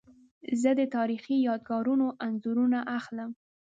زه د تاریخي یادګارونو انځورونه اخلم.